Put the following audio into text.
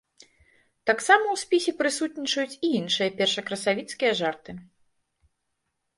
Таксама ў спісе прысутнічаюць і іншыя першакрасавіцкія жарты.